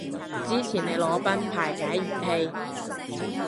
支持你裸奔排解熱氣